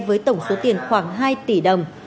với tổng số tiền khoảng hai tỷ đồng